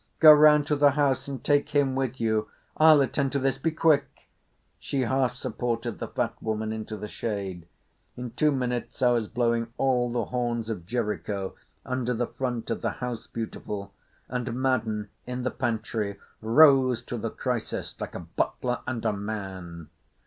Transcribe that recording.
Go round to the house and take him with you. I'll attend to this. Be quick!" She half supported the fat woman into the shade. In two minutes I was blowing all the horns of Jericho under the front of the House Beautiful, and Madden, in the pantry, rose to the crisis like a butler and a man.